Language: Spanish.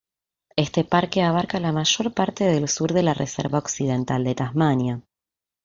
Este parque abarca la mayor parte del sur de la Reserva Occidental de Tasmania.